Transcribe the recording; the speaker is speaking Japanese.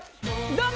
どうも！